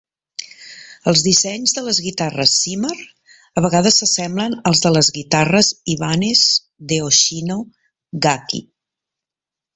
Els dissenys de les guitarres Cimar a vegades s'assemblen als de les guitarres Ibanez de Hoshino Gakki.